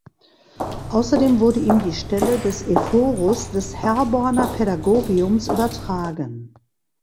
Außerdem wurde ihm die Stelle des Ephorus des Herborner Pädagogiums übertragen.